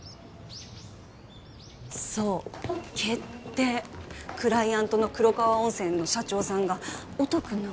そう決定クライアントの黒川温泉の社長さんが音君のが一番いいって